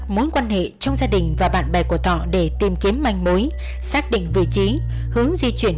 mấy con mình được mấy con